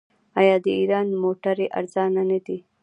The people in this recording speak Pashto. آیا د ایران موټرې ارزانه نه دي؟